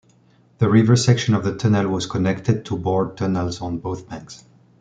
The river section of the tunnel was connected to bored tunnels on both banks.